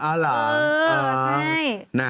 เออเหรอเออใช่